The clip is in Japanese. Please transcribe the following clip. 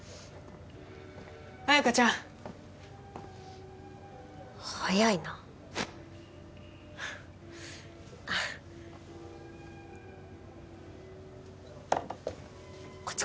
綾華ちゃん早いなこっち